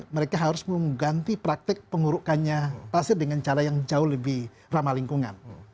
mereka harus mengganti praktek pengurukannya pasir dengan cara yang jauh lebih ramah lingkungan